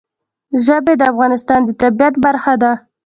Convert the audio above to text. ژبې د افغانستان د طبیعت برخه ده.